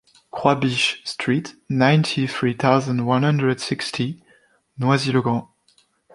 Croix Biche street, ninety three thousand one hundred sixty, Noisy-le-Grand